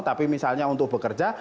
tapi misalnya untuk bekerja